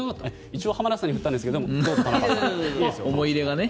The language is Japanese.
一応浜田さんに振ったんですけど思い入れがね。